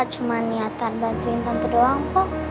cuma niatan bantuin tante doang kok